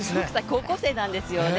高校生なんですよね。